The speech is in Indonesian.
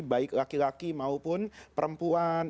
baik laki laki maupun perempuan